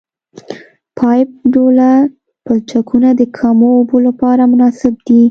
پایپ ډوله پلچکونه د کمو اوبو لپاره مناسب دي